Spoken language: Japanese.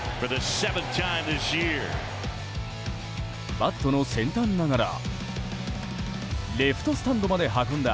バットの先端ながらレフトスタンドまで運んだ